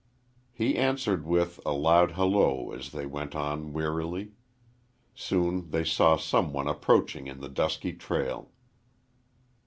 He answered with, a loud halloo as they went on wearily. Soon they saw some one approaching in the dusky trail.